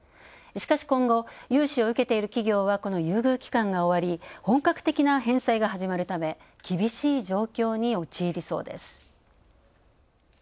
しかし今後、融資を受けている企業はこの優遇期間が終わり、本格的な返済が始まるため、厳しい状況に陥りそうです。